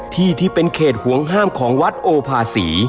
ที่เป็นเขตห่วงห้ามของวัดโอภาษี